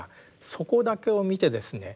そこだけを見てですね